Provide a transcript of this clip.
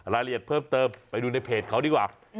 รายละเอียดเพิ่มเติมไปดูในเพจเขาดีกว่า